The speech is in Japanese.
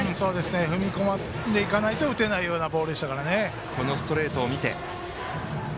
踏み込んでいかないと打てないボールでした。